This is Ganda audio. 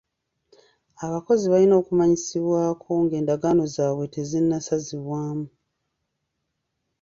Abakozi balina okumanyisibwako ng'endagaano zaabwe tezinnasazibwamu.